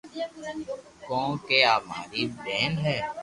ڪون ڪيي آ ماري ٻين ھي